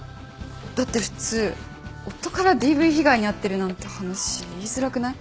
だって普通夫からＤＶ被害に遭ってるなんて話言いづらくない？